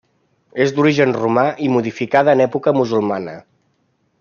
És d'origen romà i modificada en època musulmana.